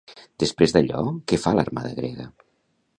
Després d'allò què fa l'armada grega?